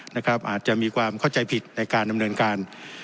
อาจจะมีความเข้าใจผิดในการดำเนินการ